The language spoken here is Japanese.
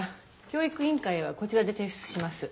教育委員会へはこちらで提出します。